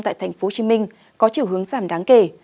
tại tp hcm có chiều hướng giảm đáng kể